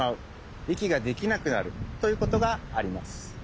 いきができなくなるということがあります。